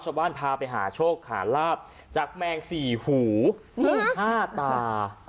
พาไปหาโชคหาลาบจากแมงสี่หูห้าตา